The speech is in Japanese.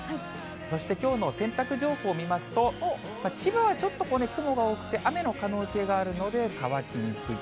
そしてきょうの洗濯情報見ますと、千葉はちょっと雲が多くて雨の可能性があるので、乾きにくい。